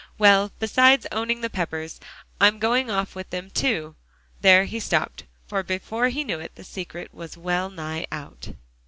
"Well, besides owning the Peppers, I'm going off with them to" there he stopped, for before he knew it, the secret was well nigh out.